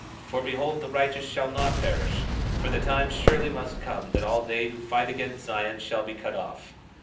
22:19 For behold, the righteous shall not perish; for the time surely must come that all they who fight against Zion shall be cut off.